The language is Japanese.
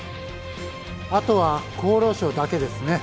あとは厚労省だけですね。